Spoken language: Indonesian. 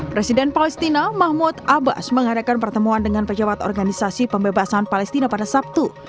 presiden palestina mahmud abbas mengadakan pertemuan dengan pejabat organisasi pembebasan palestina pada sabtu